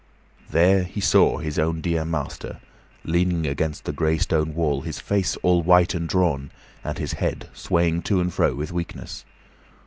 There he saw his own dear master leaning against the gray stone wall, his face all white and drawn, and his head swaying to and fro with weakness.